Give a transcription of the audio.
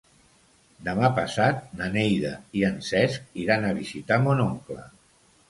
Demà passat na Neida i en Cesc iran a visitar mon oncle.